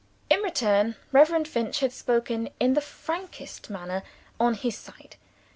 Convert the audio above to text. In return, Reverend Finch had spoken in the frankest manner, on his side.